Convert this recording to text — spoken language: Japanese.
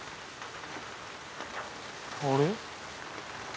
あれ？